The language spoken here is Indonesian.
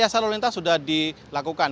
jasa lalu lintas sudah dilakukan